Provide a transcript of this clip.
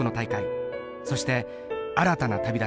そして新たな旅立ち。